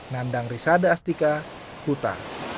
nandang risada astika kuta